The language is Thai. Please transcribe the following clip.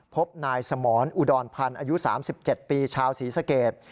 พบนายสมรอุดรพันธ์อายุ๓๗ปีชาวศรีสเกต